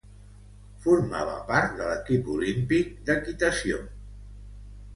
Formava part de l'equip olímpic espanyol d'equitació.